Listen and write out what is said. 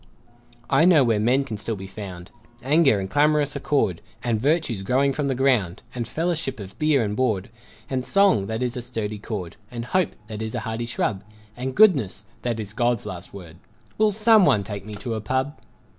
I know where Men can still be found, Anger and clamorous accord, And virtues growing from the ground, And fellowship of beer and board, And song, that is a sturdy cord. And hope, that is a hardy shrub, And goodness, that is God's last word Will someone take me to a pub?